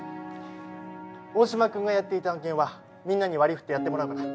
大島君がやっていた案件はみんなに割り振ってやってもらうから。